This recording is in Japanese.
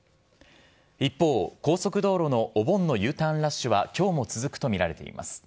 一方、高速道路のお盆のＵターンラッシュはきょうも続くと見られています。